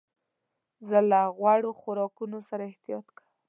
زه له غوړو خوراکونو سره احتياط کوم.